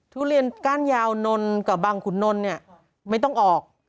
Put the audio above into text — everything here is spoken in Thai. ทุเรียนก้านยาวนนกับบังขุนนลเนี่ยไม่ต้องออก